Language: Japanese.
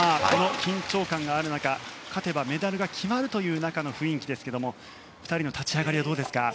緊張感がある中勝てばメダルが決まるという中の雰囲気ですが２人の立ち上がりはどうですか？